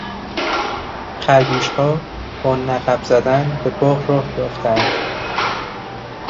خرگوشها با نقب زدن به باغ راه یافتند.